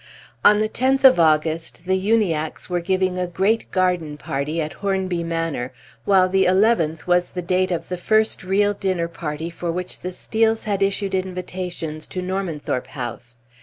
On the tenth of August the Uniackes were giving a great garden party at Hornby Manor, while the eleventh was the date of the first real dinner party for which the Steels had issued invitations to Normanthorpe House.